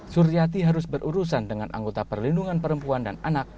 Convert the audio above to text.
suryati harus berurusan dengan anggota perlindungan perempuan dan anak